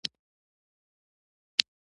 پنېر له ډوډۍ سره ډېر خوند ورکوي.